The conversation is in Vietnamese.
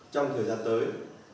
trong thời gian tới